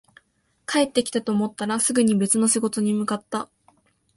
帰ってきたと思ったら、すぐに別の仕事に向かった